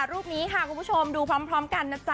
รูปนี้ค่ะคุณผู้ชมดูพร้อมกันนะจ๊ะ